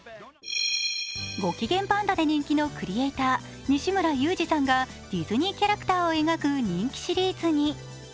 ごきげんぱんだで人気のクリエーター、にしむらゆうじさんがディズニーキャラクターを描く人気シリーズに。